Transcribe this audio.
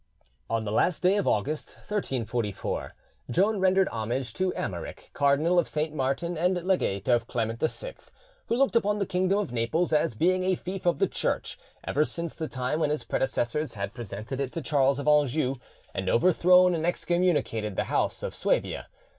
On the last day of August 1344, Joan rendered homage to Americ, Cardinal of Saint Martin and legate of Clement VI, who looked upon the kingdom of Naples as being a fief of the Church ever since the time when his predecessors had presented it to Charles of Anjou, and overthrown and excommunicated the house of Suabia.